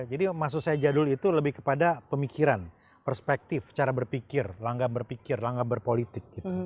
jadi maksud saya jadul itu lebih kepada pemikiran perspektif cara berpikir langkah berpikir langkah berpolitik gitu